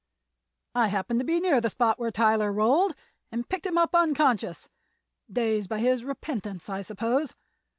"I happened to be near the spot where Tyler rolled and picked him up unconscious—dazed by his repentance, I suppose.